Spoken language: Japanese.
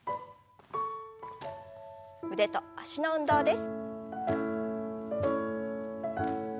腕と脚の運動です。